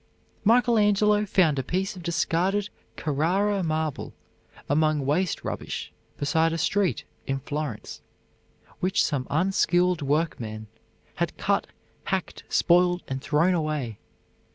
Michael Angelo found a piece of discarded Carrara marble among waste rubbish beside a street in Florence, which some unskilful workman had cut, hacked, spoiled, and thrown away.